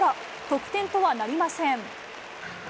得点とはなりません。